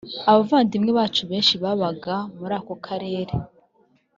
abavandimwe bacu benshi babaga muri ako karere